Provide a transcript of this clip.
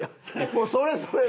もうそれそれ。